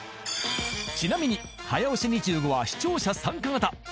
［ちなみに早押し２５は視聴者参加型。